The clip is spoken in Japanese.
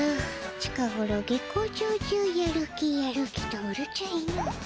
近ごろ月光町中「やる気やる気」とうるちゃいの。